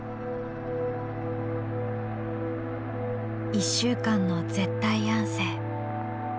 １週間の絶対安静。